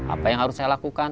apa yang harus saya lakukan